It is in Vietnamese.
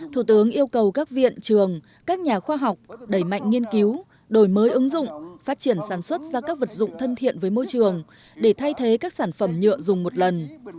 thủ tướng yêu cầu các viện trường các nhà khoa học đẩy mạnh nghiên cứu đổi mới ứng dụng phát triển sản xuất ra các vật dụng thân thiện với môi trường để thay thế các sản phẩm nhựa dùng một lần